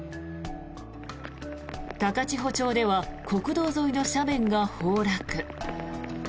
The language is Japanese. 高千穂町では国道沿いの斜面が崩落。